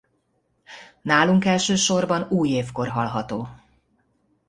Nálunk elsősorban újévkor hallható.